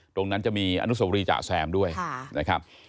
ตรงนั้นจะมีอนุสวรีจ๋าแซมด้วยนะครับ